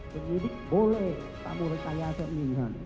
penyidik boleh tamur kaya seringan